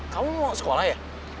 kamu mau sekolah ya